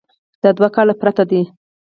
دا دوه کاله پرته ده.